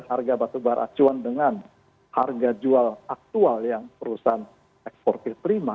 harga batubara acuan dengan harga jual aktual yang perusahaan ekspor terima